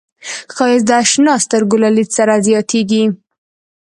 ښایست د اشنا سترګو له لید سره زیاتېږي